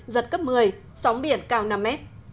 giật cấp một mươi sóng biển cao năm mét